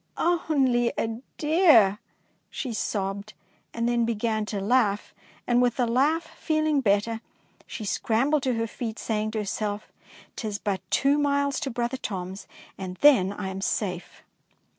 Only a deer," she sobbed, and then began to laugh, and with the laugh, feeling better, she scrambled to her feet, saying to herself, " T is but two miles to brother Tom's and then I am safe."